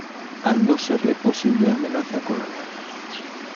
Al no serle posible amenaza con la guerra.